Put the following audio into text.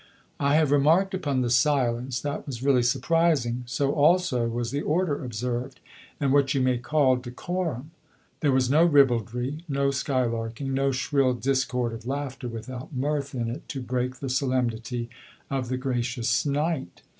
I have remarked upon the silence: that was really surprising; so also was the order observed, and what you may call decorum. There was no ribaldry, no skylarking, no shrill discord of laughter without mirth in it to break the solemnity of the gracious night.